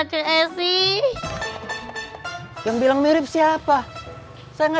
suara saya sama seperti suara csi sama seperti suara csi yang bilang mirip siapa saya nggak